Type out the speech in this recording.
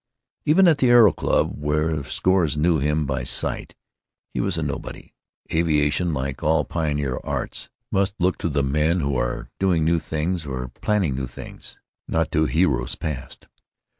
Even at the Aero Club, where scores knew him by sight, he was a nobody. Aviation, like all pioneer arts, must look to the men who are doing new things or planning new things, not to heroes past.